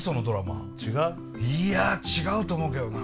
いや違うと思うけどな。